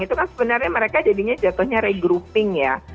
itu kan sebenarnya mereka jadinya jatuhnya regrouping ya